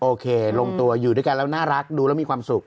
โอเคลงตัวอยู่ด้วยกันแล้วน่ารักดูแล้วมีความสุข